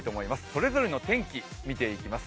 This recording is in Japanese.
それぞれの天気、見ていきます。